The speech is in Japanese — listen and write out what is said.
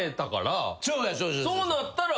そうなったら。